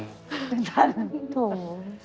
เพื่อนทัน